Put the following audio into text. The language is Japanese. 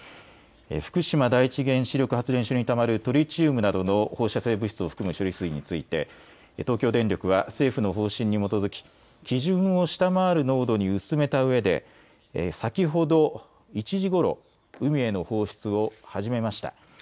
福島第一原子力発電所にたまるトリチウムなどの放射性物質を含む処理水について東京電力は政府の方針に基づき基準を下回る濃度に薄めたうえで先ほど１時ごろ海への放出を始めました。